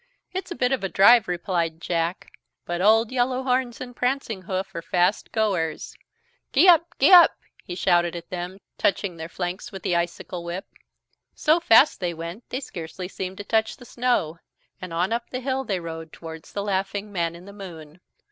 "It's a bit of a drive," replied Jack, "but Old Yellow Horns and Prancing Hoof are fast goers. Gee up! Gee up!" he shouted at them, touching their flanks with the icicle whip. So fast they went they scarcely seemed to touch the snow, and on up the hill they rode towards the laughing Man in the Moon.